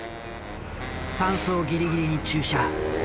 山荘ギリギリに駐車。